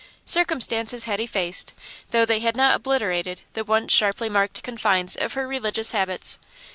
Circumstances had effaced, though they had not obliterated, the once sharply marked confines of her religious habits.